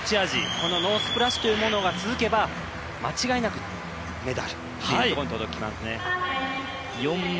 このノースプラッシュというのが続けば間違いなくメダルというところに届きますね。